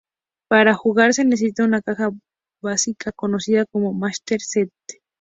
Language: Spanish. Para jugar, se necesita una caja básica conocida como "master set".